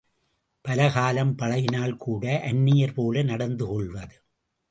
பலகாலும் பழகினால்கூட அந்நியர் போல நடந்து கொள்வது!